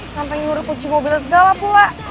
sampai ngurip kunci mobilnya segala pula